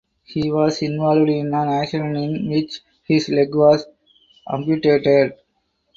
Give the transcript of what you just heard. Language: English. He was involved in an accident in which his leg was amputated.